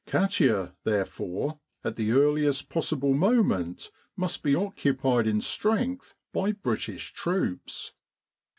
Katia, therefore, at the earliest possible moment must be occupied in strength by British troops.